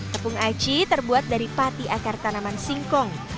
tepung aci terbuat dari pati akar tanaman singkong